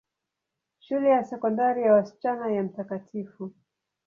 Shule ya Sekondari ya wasichana ya Mt.